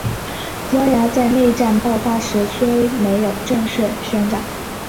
葡萄牙在内战爆发时虽没有正式宣战。